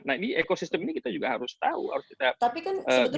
nah di ekosistem ini kita juga harus tahu harus kita bisa jalani